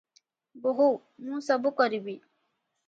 ବୋହୂ- ମୁଁ -ସ -ବୁ - କ -ରି -ବି ।